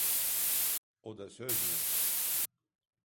O da söz mü?